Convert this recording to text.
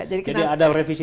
jadi ada revisi